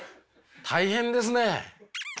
大変ですね！